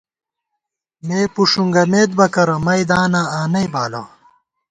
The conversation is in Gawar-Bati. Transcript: مے پُݭونگمېت بہ کرہ، میداناں آنئ بالہ